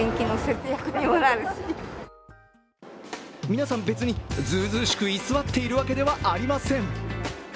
皆さん、別にずうずうしく居座っているわけではありません。